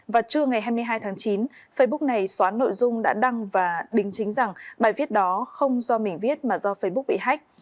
và trưa ngày hai mươi hai tháng chín facebook này xóa nội dung đã đăng và đính chính rằng bài viết đó không do mình viết mà do facebook bị hách